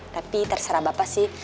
tapi terserah bapak sih